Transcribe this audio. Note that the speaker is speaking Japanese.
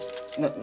何？